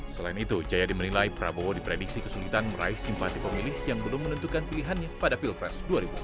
selain itu jayadi menilai prabowo diprediksi kesulitan meraih simpati pemilih yang belum menentukan pilihannya pada pilpres dua ribu sembilan belas